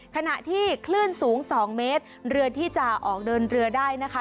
ขณะที่คลื่นสูง๒เมตรเรือที่จะออกเดินเรือได้นะคะ